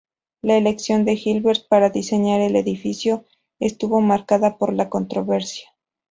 La elección de Gilbert para diseñar el edificio estuvo marcada por la controversia.